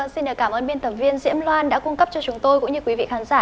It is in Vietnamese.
xin cảm ơn biên tập viên diễm loan đã cung cấp cho chúng tôi cũng như quý vị khán giả